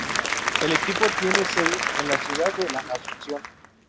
El equipo tiene sede en la ciudad de La Asunción.